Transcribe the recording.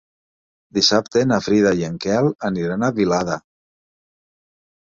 Dissabte na Frida i en Quel aniran a Vilada.